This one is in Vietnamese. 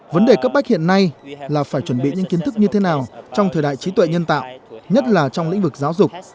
vấn đề cấp bách hiện nay là phải chuẩn bị những kiến thức như thế nào trong thời đại trí tuệ nhân tạo nhất là trong lĩnh vực giáo dục